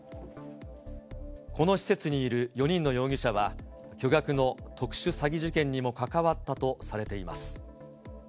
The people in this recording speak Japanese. この施設にいる４人の容疑者は、巨額の特殊詐欺事件にも関わったとされています。